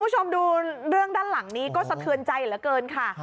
คุณผู้ชมดูเรื่องด้านหลังนี้ก็สะเทือนใจเหลือเกินค่ะ